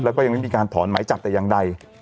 แล้วก็ยังไม่มีการถอนหมายจับแต่อย่างใด